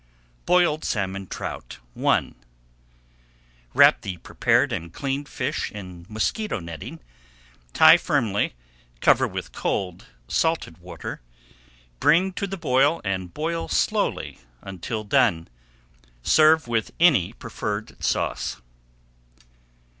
BOILED SALMON TROUT I Wrap the prepared and cleaned fish in mosquito netting, tie firmly, cover with cold salted water, bring to the boil and boil slowly until done. Serve with any preferred sauce.